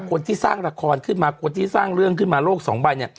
คนที่สร้างละครขึ้นมาคนที่สร้างเรื่องขึ้นมาโลกสองใบเนี่ย